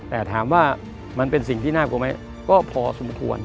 แต่ถามว่ามันเป็นสิ่งที่น่ากลัวไหมก็พอสมควร